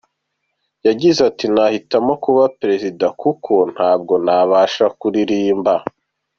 Yagize ati “Nahitamo kuba Perezida kuko ntabwo nabasha kuririmba.